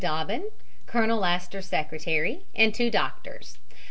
Dobbyn, Colonel Astor's secretary, and two doctors.